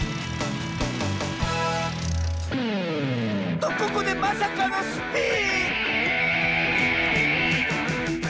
とここでまさかのスピン！